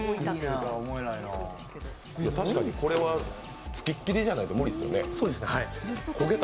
確かにこれはつきっきりじゃないと駄目ですね。